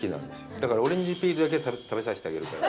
だから、オレンジピールだけ食べさせてあげるから。